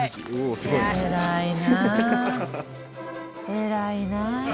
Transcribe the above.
偉いな。